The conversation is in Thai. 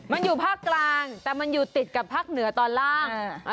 มันอยู่ภาคกลางแต่มันอยู่ติดกับภาคเหนือตอนล่าง